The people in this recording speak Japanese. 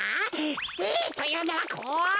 れいというのはこう。